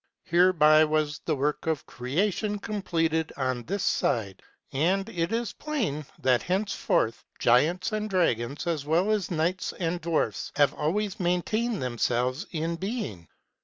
Hereby was the work of creation completed on this side ; and it is plain, that henceforth giants and dragons, as well as knights and dwarfs, have always maintained themselves in being.